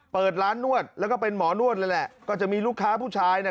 เปิดร้านนวดแล้วก็เป็นหมอนวดเลยแหละก็จะมีลูกค้าผู้ชายเนี่ย